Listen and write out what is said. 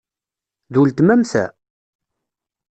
D uletma-m ta?